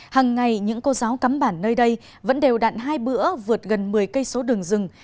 hằng ngày những cô giáo cắm bản nơi đây vẫn đều đặn hai bữa vượt gần một mươi km đường rừng